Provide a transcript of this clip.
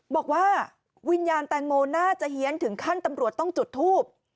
บอกว่าวิญญาณแตงโมน่าจะเฮียนถึงขั้นตำรวจต้องจุดทูบ